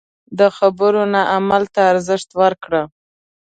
د خبرو نه عمل ته ارزښت ورکړه.